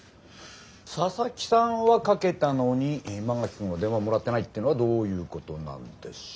佐々木さんはかけたのに馬垣君は電話もらってないってのはどういうことなんでしょう？